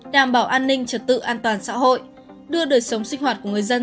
đảm bảo an ninh trật tự an toàn xã hội đưa đời sống sinh hoạt của người dân